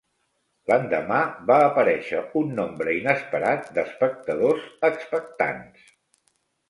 L'endemà va aparèixer un nombre inesperat d'espectadors expectants.